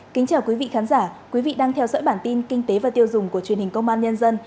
kính chào quý vị khán giả quý vị đang theo dõi bản tin kinh tế và tiêu dùng của truyền hình công an nhân dân